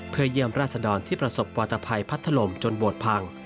เพื่อเยี่ยมราชดรที่ประสบปอตภัยพัดถล่มจนโบสถ์พัง